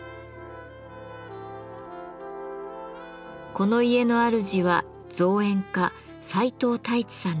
この家のあるじは造園家齊藤太一さんです。